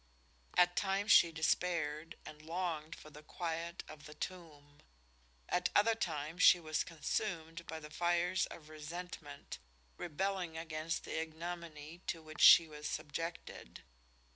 At times she despaired and longed for the quiet of the tomb; at other times she was consumed by the fires of resentment, rebelling against the ignominy to which she was subjected.